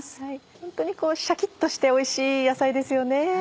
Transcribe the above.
ホントにシャキっとしておいしい野菜ですよね。